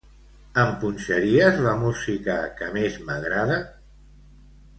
Em punxaries la música que més m'agrada?